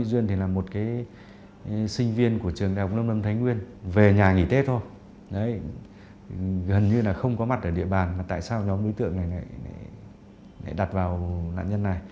gần như là không có mặt ở địa bàn tại sao nhóm đối tượng này lại đặt vào nạn nhân này